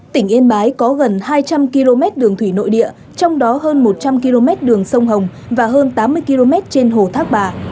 tỉnh yên bái có gần hai trăm linh km đường thủy nội địa trong đó hơn một trăm linh km đường sông hồng và hơn tám mươi km trên hồ thác bà